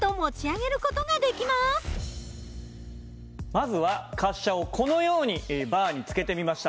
まずは滑車をこのようにバーに付けてみました。